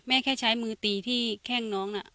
แค่ใช้มือตีที่แข้งน้องน่ะ